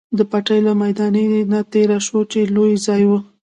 د بټۍ له میدانۍ نه تېر شوو، چې لوی ځای وو.